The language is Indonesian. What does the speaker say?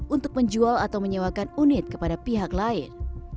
untuk menjual atau menyewakan unit kepada pihak lain